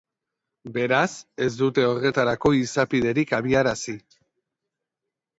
Beraz, ez dute horretarako izapiderik abiarazi.